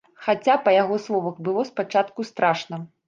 Хаця, па яго словах, было спачатку страшна.